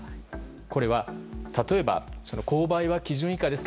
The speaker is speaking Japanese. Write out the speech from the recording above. これは、例えば勾配が基準以下ですか？